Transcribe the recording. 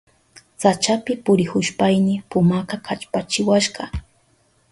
Sachapi purihushpayni pumaka kallpachiwashka.